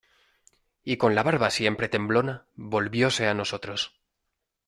y con la barba siempre temblona, volvióse a nosotros: